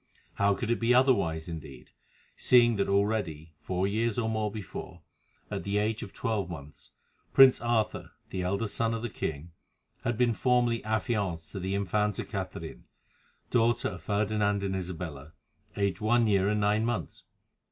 How could it be otherwise, indeed, seeing that already, four years or more before, at the age of twelve months, Prince Arthur, the eldest son of the king, had been formally affianced to the Infanta Catherine, daughter of Ferdinand and Isabella, aged one year and nine months?